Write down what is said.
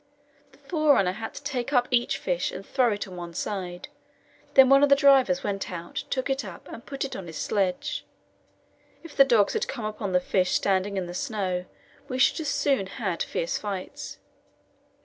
The forerunner had to take up each fish and throw it on one side; then one of the drivers went out, took it up, and put it on his sledge. If the dogs had come upon the fish standing in the snow we should soon have had fierce fights.